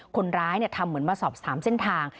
คนร้ายทำเหมือนมาสอบถามเส้นทาง